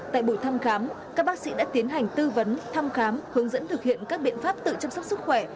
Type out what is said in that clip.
tại buổi thăm khám các bác sĩ đã tiến hành tư vấn thăm khám hướng dẫn thực hiện các biện pháp tự chăm sóc sức khỏe